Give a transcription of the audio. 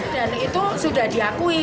dan itu sudah diakui